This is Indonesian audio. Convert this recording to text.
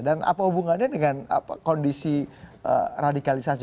dan apa hubungannya dengan kondisi radikalisasi